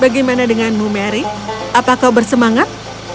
bagaimana denganmu mary apa kau bersemangat